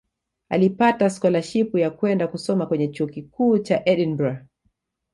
Alipata skolashipu ya kwenda kusoma kwenye Chuo Kikuu cha Edinburgh